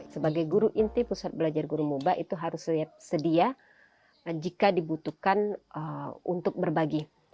sebagai guru inti pusat belajar guru moba itu harus sedia jika dibutuhkan untuk berbagi